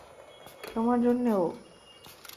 তোমার জন্যে ও।